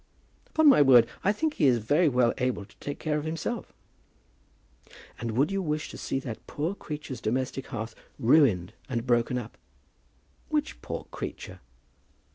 "Upon my word I think he is very well able to take care of himself." "And would you wish to see that poor creature's domestic hearth ruined and broken up?" "Which poor creature?"